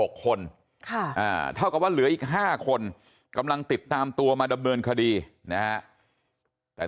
เท่ากับว่าเหลืออีก๕คนกำลังติดตามตัวมาดำเนินคดีนะฮะแต่